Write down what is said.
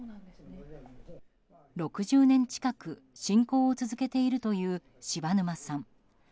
６０年近く信仰を続けているという柴沼さん。